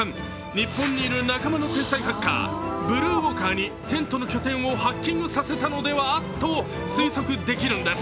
日本にいる仲間の天才ハッカーブルーウォーカーにテントの拠点をハッキングさせたのではと推測できるんです。